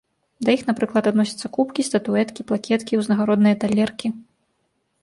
Да іх, напрыклад, адносяцца кубкі, статуэткі, плакеткі, узнагародныя талеркі.